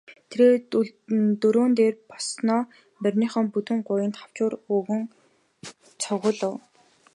Тэрээр дөрөөн дээрээ боссоноо мориныхоо бүдүүн гуянд ташуур өгөн цогиулав.